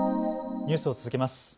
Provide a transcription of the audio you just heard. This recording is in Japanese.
ニュースを続けます。